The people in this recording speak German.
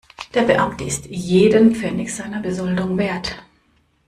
Der Beamte ist jeden Pfennig seiner Besoldung wert.